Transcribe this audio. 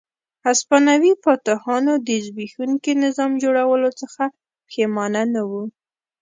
هسپانوي فاتحانو د زبېښونکي نظام جوړولو څخه پښېمانه نه وو.